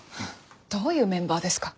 どういうメンバーですか。